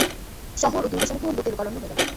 শহর ও দুর্গসমূহ লোকে লোকারণ্য হয়ে গেল।